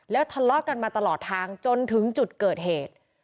แล้วทะเลาะกันมาตลอดทางจนถึงจุดเกิดเหตุ